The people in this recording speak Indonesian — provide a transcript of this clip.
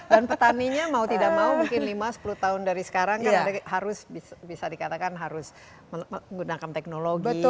dan petaninya mau tidak mau mungkin lima sepuluh tahun dari sekarang kan harus bisa dikatakan harus menggunakan teknologi